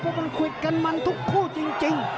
เพราะมันคุยกันมันทุกคู่จริง